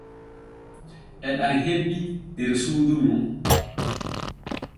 E ɗam hebbi der suudu ɗu.